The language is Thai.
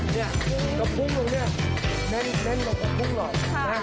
นี่กระพรุงตรงนี้แน่นลงกระพรุงหน่อย